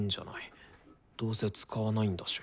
どうせ使わないんだし。